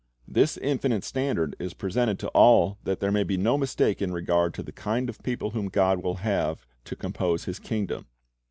This infinite standard is presented to all that there may be no mistake in regard to the kind of people whom God will have to compose His kingdom.